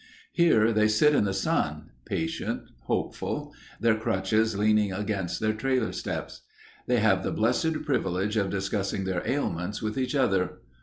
Here they sit in the sun—patient, hopeful; their crutches leaning against their trailer steps. They have the blessed privilege of discussing their ailments with each other.